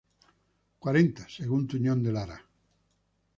Cuarenta, según Tuñón de Lara.